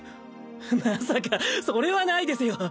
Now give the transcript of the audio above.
まさかそれはないですよ！